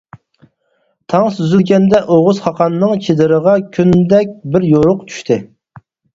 تاڭ سۈزۈلگەندە ئوغۇز خاقاننىڭ چېدىرىغا كۈندەك بىر يورۇق چۈشتى.